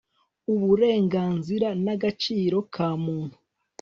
uburenganzira n'agaciro ka muntu